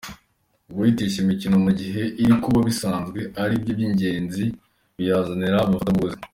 Guhitisha imikino mu gihe iri kuba bisanzwe ari byo by'ingenzi biyazanira abafatabuguzi.